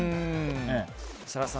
設楽さん